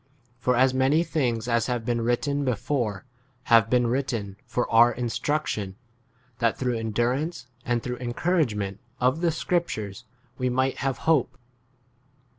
For as many things as have been written before have been written w for our instruction, that through endurance and through * encouragement of the scriptures 5 we might have hope.